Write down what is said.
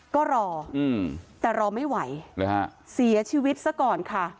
ก็รอแต่รอไม่ไหวสีอาชีวิตสัก่อนค่ะ